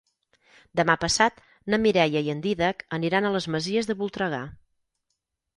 Demà passat na Mireia i en Dídac aniran a les Masies de Voltregà.